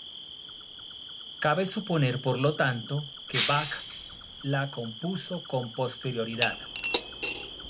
Cabe suponer por lo tanto que Bach la compuso con posterioridad.